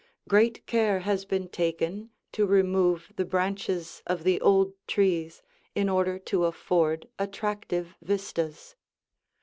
Great care has been taken to remove the branches of the old trees in order to afford attractive vistas.